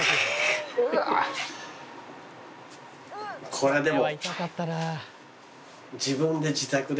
これはでも。